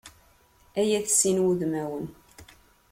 Ay at sin wudmawen!